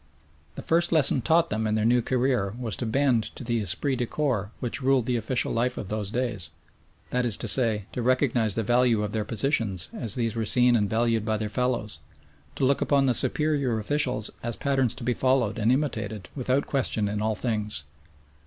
The first lesson taught them in their new career was to bend to the esprit de corps which ruled the official life of those days, that is to say, to recognise the value of their positions as these were seen and valued by their fellows, to look upon the superior officials as patterns to be followed and imitated without question in all things.